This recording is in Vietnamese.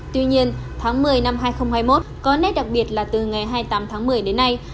tuy nhiên tháng một mươi năm hai nghìn hai mươi một có nét đặc biệt là từ ngày hai mươi tám tháng một mươi đến nay